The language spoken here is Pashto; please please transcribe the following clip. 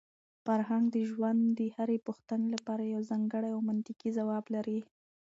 فرهنګ د ژوند د هرې پوښتنې لپاره یو ځانګړی او منطقي ځواب لري.